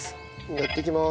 やっていきます。